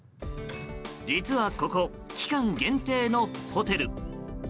実はここ、期間限定のホテル。